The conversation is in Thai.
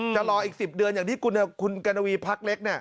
จะรออีก๑๐เดือนอย่างที่คุณกะนวีพักเล็กเนี่ย